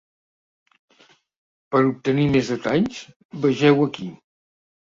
Per a obtenir més detalls, vegeu aquí.